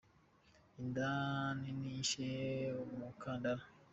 Inda nini yishe umukandara.